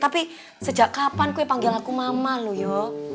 tapi sejak kapan kau panggil aku mama luyo